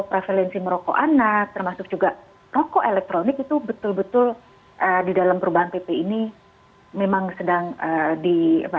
prevalensi merokok anak termasuk juga rokok elektronik itu betul betul di dalam perubahan pp ini memang sedang di